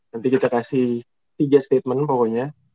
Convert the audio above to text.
nanti kita kasih tiga statement pokoknya